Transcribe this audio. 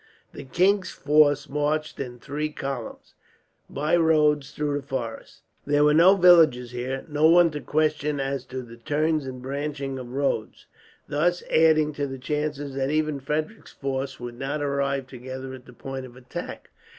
The king's force marched in three columns, by roads through the forest. There were no villages here, no one to question as to the turns and branchings of roads, thus adding to the chances that even Frederick's force would not arrive together at the point of attack.